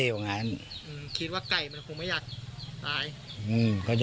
อืมอย่างนั้นแหละ